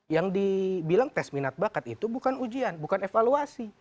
yang dibilang tes minat bakat itu bukan ujian bukan evaluasi